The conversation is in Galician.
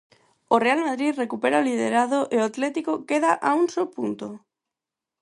O Real Madrid recupera o liderado e o Atlético queda a un só punto.